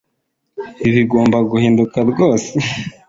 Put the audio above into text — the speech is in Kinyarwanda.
Ingingo ya Amategeko n amahame umuyobozi